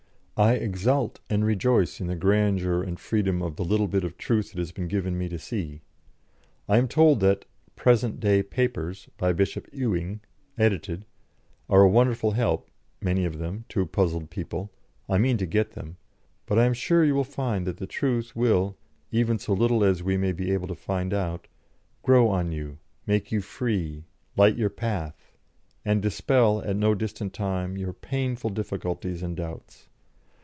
I exult and rejoice in the grandeur and freedom of the little bit of truth it has been given me to see. I am told that 'Present day Papers,' by Bishop Ewing (edited), are a wonderful help, many of them, to puzzled people; I mean to get them. But I am sure you will find that the truth will (even so little as we may be able to find out) grow on you, make you free, light your path, and dispel, at no distant time, your painful difficulties and doubts.